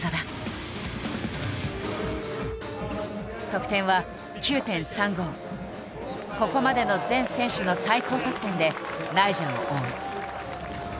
得点はここまでの全選手の最高得点でナイジャを追う。